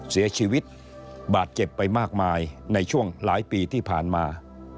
เสียชีวิตบาดเจ็บไปมากมายในช่วงหลายปีที่ผ่านมา